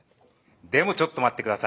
でもちょっと待って下さい。